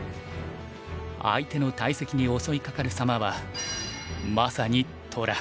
相手の大石に襲いかかる様はまさに虎。